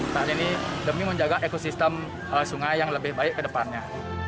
saat ini demi menjaga ekosistem sungai yang lebih baik ke depannya